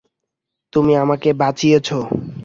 তুমি আমাকে বাঁচিয়েছো।